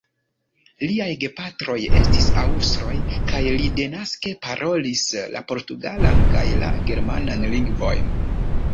Liaj gepatroj estis aŭstroj kaj li denaske parolis la portugalan kaj la germanan lingvojn.